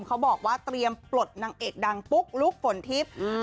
เขาบอกว่าเตรียมปลดนางเอกดังปุ๊กลุ๊กฝนทิพย์